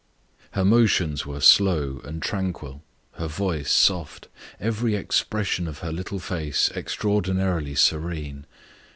Her motions were slow and tranquil her voice soft every expression of her little face extraordinarily serene.